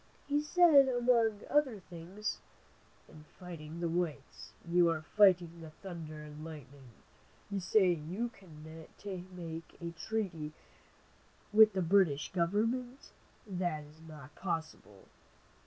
He said among other things: "In fighting the whites, you are fighting the thunder and lightning. You say you can make a treaty with the British government. That is not possible.